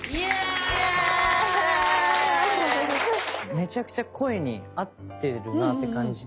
めちゃくちゃ声に合ってるなって感じて